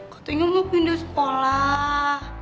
katanya mau pindah sekolah